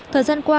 thời gian qua